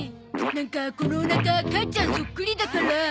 なんかこのおなか母ちゃんそっくりだから。